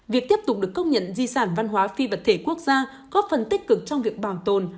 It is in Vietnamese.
việc tiếp tục được công nhận di sản văn hóa phi vật thể quốc gia góp phần tích cực trong việc bảo tồn